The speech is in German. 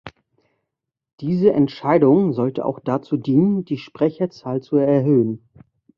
Diese Entscheidung sollte auch dazu dienen, die Sprecherzahl zu erhöhen.